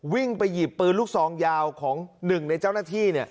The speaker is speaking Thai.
วิ่งไปหยิบปืนลูกซองยาวของหนึ่งในเจ้าหน้าที่